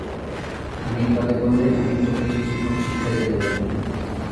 খানিক বাদে বললে, আমি তোকে ঠিকমত শিক্ষা দিতে পারি নি।